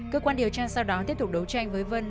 cơ quan điều tra sau đó tiếp tục đấu tranh với vân